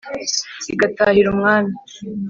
Zigatahira Umwami :